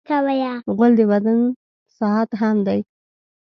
غول د بدن ساعت هم دی.